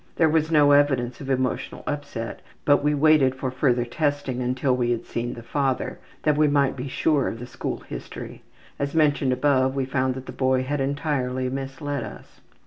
There was no evidence of emotional upset, but we waited for further testing until we had seen the father, that we might be sure of the school history. As mentioned above, we found that the boy had entirely misled us.